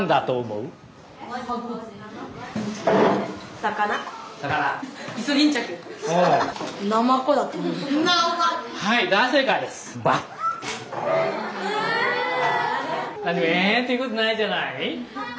「うえ」って言うことないじゃない。